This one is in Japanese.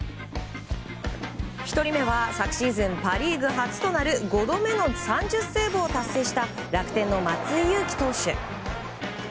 １人目は昨シーズン、パ・リーグ初となる５度目の３０セーブを達成した楽天の松井裕樹投手。